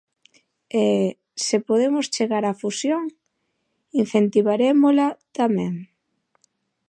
E, se podemos chegar á fusión, incentivarémola tamén.